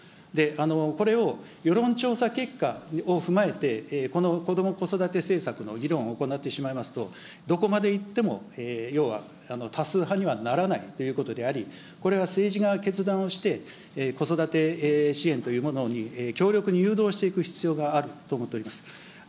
これを世論調査結果を踏まえて、このこども・子育て政策の議論を行ってしまいますと、どこまでいっても、要は多数派にはならないということであり、これは政治が決断をして、子育て支援というものに強力に誘導していく必要があると思っております。